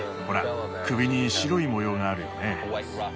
ほら首に白い模様があるよね。